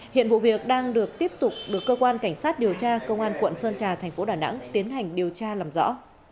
hiện vụ việc đang được tiếp tục được cơ quan cảnh sát điều tra công an quận sơn trà thành phố đà nẵng tiến hành điều tra làm rõ